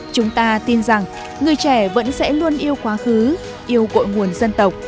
chúng ta tin rằng người trẻ vẫn sẽ luôn yêu quá khứ yêu cội nguồn dân tộc